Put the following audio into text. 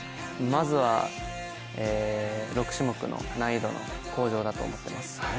まずは６種目の難易度の向上だと思っています。